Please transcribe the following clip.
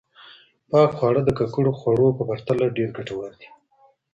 پاک خواړه د ککړو خوړو په پرتله ډېر ګټور دي.